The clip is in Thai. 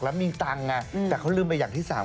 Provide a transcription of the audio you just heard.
แล้วมีตังค์แต่เขาลืมไปอย่างที่๓